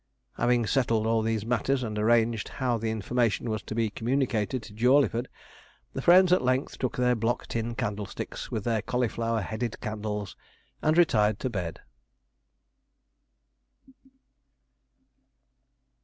Having settled all these matters, and arranged how the information was to be communicated to Jawleyford, the friends at length took their block tin candlesticks, with their cauliflower headed candles, and retired to bed.